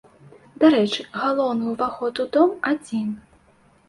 Дарэчы, галоўны ўваход у дом адзін.